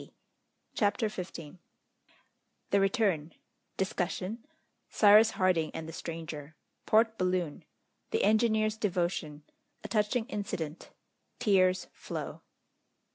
] CHAPTER XV The Return Discussion Cyrus Harding and the Stranger Port Balloon The Engineer's Devotion A touching Incident Tears flow.